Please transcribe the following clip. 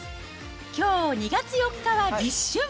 きょう２月４日は立春。